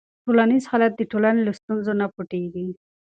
ټولنیز حالت د ټولنې له ستونزو نه پټيږي.